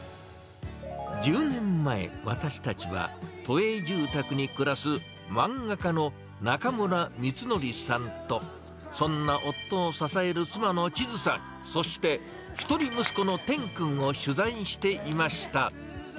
１０年前、私たちは、都営住宅に暮らす、漫画家のなかむらみつのりさんと、そんな夫を支える妻の千都さん、そして一人息子の天くんを取材していました。